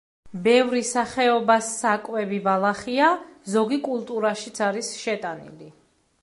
ბევრი სახეობა საკვები ბალახია, ზოგი კულტურაშიც არის შეტანილი.